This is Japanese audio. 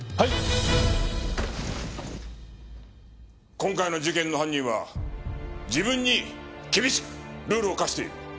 今回の事件の犯人は自分に厳しくルールを課している。